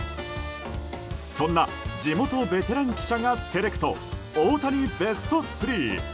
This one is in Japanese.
そんな地元ベテラン記者がセレクト、大谷ベスト３！